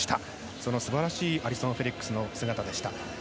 その素晴らしいアリソン・フェリックスの姿でした。